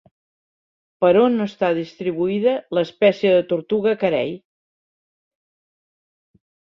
Per on està distribuïda l'espècie de tortuga carei?